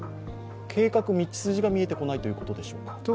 計画、道筋が見えてこないということでしょうか？